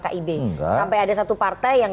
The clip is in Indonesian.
kib sampai ada satu partai yang